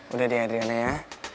udah deh adriana ya